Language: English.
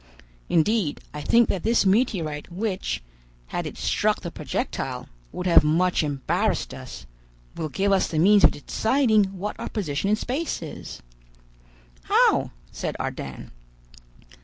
Indeed, I think that this meteorite, which, had it struck the projectile, would have much embarrassed us, will give us the means of deciding what our position in space is." "How?" said Ardan.